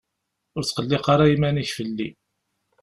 Ur ttqelliq ara iman-ik fell-i.